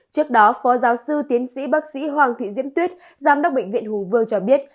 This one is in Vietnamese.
trước đó phó giáo sư tiến sĩ bác sĩ hoàng thị diễm tuyết giám đốc bệnh viện hùng vương cho biết